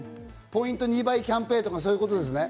ポイント２倍キャンペーンとか、そういうことですね。